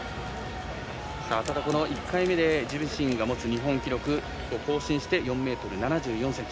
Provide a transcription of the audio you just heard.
ただ、１回目で自分自身が持つ日本記録を更新して４ｍ７４ｃｍ。